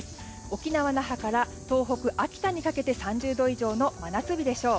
沖縄・那覇から東北・秋田にかけて３０度以上の真夏日でしょう。